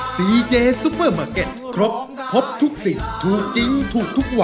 เจซุปเปอร์มาร์เก็ตครบครบทุกสิ่งถูกจริงถูกทุกวัน